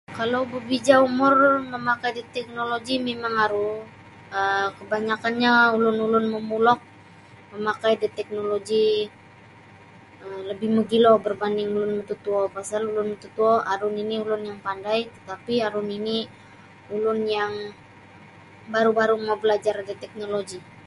Kalau babija umur mamakai da teknologi mimang aru um kabanyakanyo ulun-ulun momulok mamakai da teknologi labi magilo barbanding ulun mototuo pasal ulun mototuo aru nini ulun yang pandai tetapi aru nini ulun yang baru-baru mau balajar da teknologi.